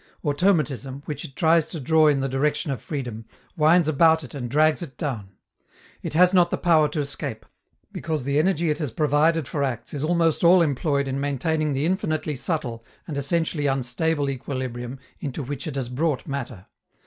Automatism, which it tries to draw in the direction of freedom, winds about it and drags it down. It has not the power to escape, because the energy it has provided for acts is almost all employed in maintaining the infinitely subtle and essentially unstable equilibrium into which it has brought matter.